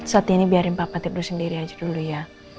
saat ini biarin papa tidur sendiri aja dulu ya